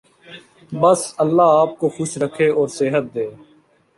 بس اللہ آپ کو خوش رکھے اور صحت دے۔